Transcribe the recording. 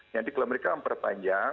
nanti kalau mereka memperpanjang